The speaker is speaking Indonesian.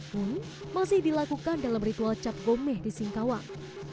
pun masih dilakukan dalam ritual cap gomeh di singkawang